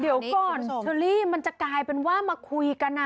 เดี๋ยวก่อนเชอรี่มันจะกลายเป็นว่ามาคุยกัน